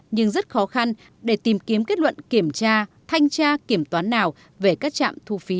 nhưng rất khó khăn để tìm kiếm kết luận kiểm tra thanh tra kiểm toán nào về các trạm thu phí